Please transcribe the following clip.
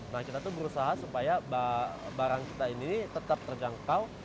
nah kita tuh berusaha supaya barang kita ini tetap terjangkau